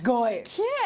きれい！